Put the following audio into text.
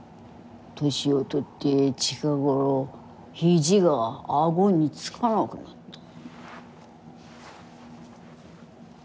年を取って近頃肘が顎につかなくなった。